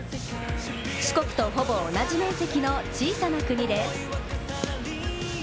四国とほぼ同じ面積の小さな国です。